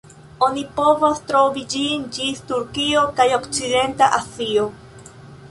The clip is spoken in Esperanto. Oni povas trovi ĝin ĝis Turkio kaj okcidenta Azio.